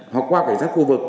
hoặc qua cảnh sát khu vực